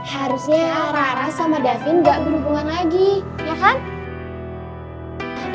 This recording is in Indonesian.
harusnya rara sama davin gak berhubungan lagi ya kan